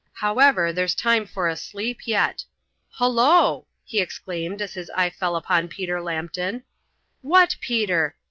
"However, there's time for a sleep yet. Hullo!" he exclaimed as his eye fell on Peter Lambton. "What, Peter!